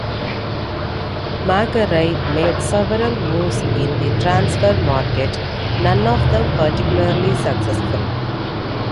Macari made several moves in the transfer market - none of them particularly successful.